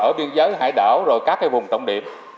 ở biên giới hải đảo rồi các cái vùng tổng điểm